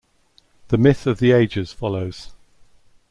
The Myth of the Ages follows.